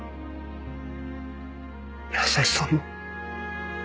優しさも。